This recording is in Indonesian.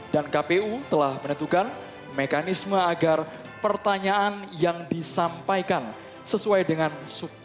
dan kpu telah menentukan mekanisme agar pertanyaan yang disampaikan sesuai dengan syaratnya